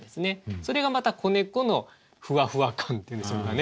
それがまた子猫のふわふわ感っていうんでしょうかね